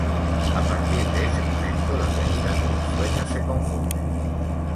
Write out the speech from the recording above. A partir de ese momento, la realidad y los sueños se confunden.